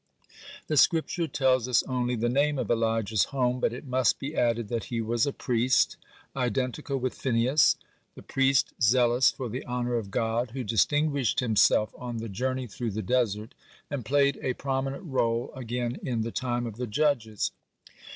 The Scripture tells us only the name of Elijah's home, (2) but it must be added that he was a priest, identical with Phinehas, (3) the priest zealous for the honor of God, who distinguished himself on the journey through the desert, and played a prominent role again in the time of the Judges.